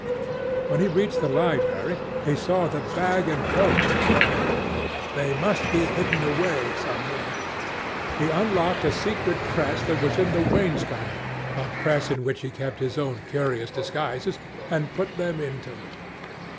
When he reached the library, he saw the bag and coat in the corner. They must be hidden away somewhere. He unlocked a secret press that was in the wainscoting, a press in which he kept his own curious disguises, and put them into it.